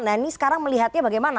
nah ini sekarang melihatnya bagaimana